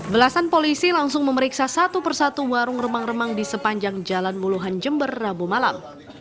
belasan polisi langsung memeriksa satu persatu warung remang remang di sepanjang jalan muluhan jember rabu malam